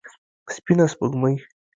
سپينه سپوږمۍ